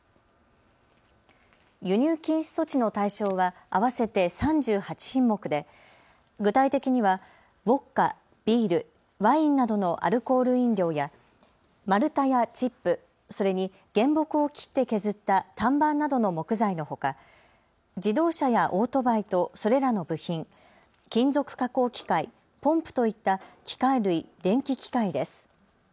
輸入禁止措置の対象は合わせて３８品目で具体的にはウォッカ、ビール、ワインなどのアルコール飲料や丸太やチップ、それに原木を切って削った単板などの木材のほか自動車やオートバイとそれらの部品、金属加工機械、ポンプといった機械類・電気機械です。